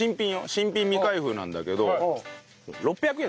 新品未開封なんだけど６００円だったのよ。